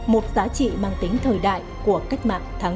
một giá trị mang tính thời đại của cách mạng tháng một mươi